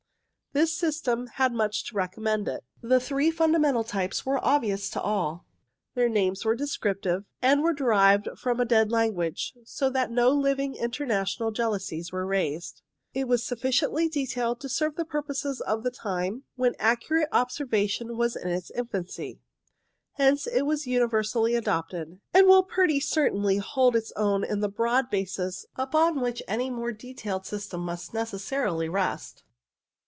This system had much to recommend it. The LUKE HOWARD 7 three fundamental types were obvious to all. Their names were descriptive, and were derived from a dead language, so that no living international jealousies were raised. It was sufficiently detailed to serve the purposes of the time, when accurate observation was in its infancy. Hence it was universally adopted, and will pretty certainly hold its own as the broad basis upon which any more detailed system must necessarily rest.